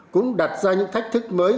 cũng đặt ra những thách thức mới